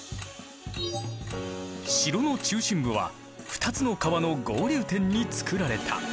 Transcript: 城の中心部は２つの川の合流点につくられた。